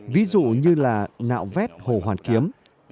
ví dụ như là nạo vét hồ hoàn kiếm